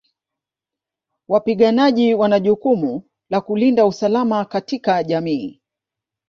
Wapiganaji wana jukumu la kulinda usalama katika jamii